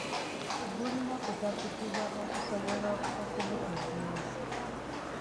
Bulina kutaputibwa okusobola okubutegeera.